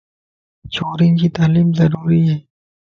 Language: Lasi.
ڇورين جي تعليم ضروري ائي.